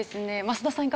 増田さん